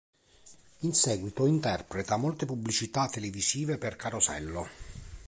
In seguito interpreta molte pubblicità televisive per "Carosello".